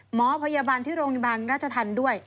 หมอพยาบาลที่โรงพยาบาลราชธรรมด้วย